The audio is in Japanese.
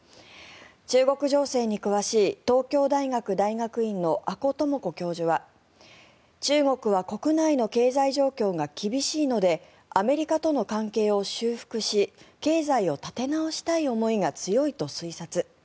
中国情勢に詳しい東京大学大学院の阿古智子教授は中国は国内の経済状況が厳しいのでアメリカとの関係を修復し経済を立て直したい思いが強いと推察。